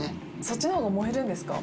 そっちの方が燃えるんですか？